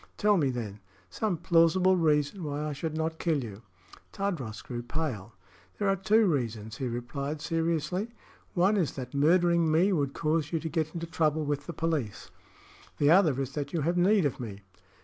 Tell me, then, some plausible reason why I should not kill you." Tadros grew pale. "There are two reasons," he replied, seriously. "One is that murdering me would cause you to get into trouble with the police. The other is that you have need of me."